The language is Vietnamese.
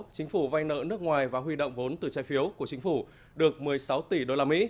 chính phủ vay nợ nước ngoài và huy động vốn từ trái phiếu của chính phủ được một mươi sáu tỷ usd